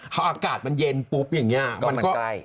ก็อากาศมันเย็นปุ๊บอย่างนี้